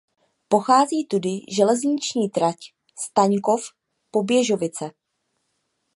Prochází tudy železniční trať Staňkov–Poběžovice.